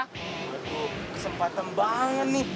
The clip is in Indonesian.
waduh kesempatan banget nih